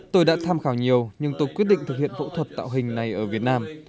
tôi đã tham khảo nhiều nhưng tôi quyết định thực hiện phẫu thuật tạo hình này ở việt nam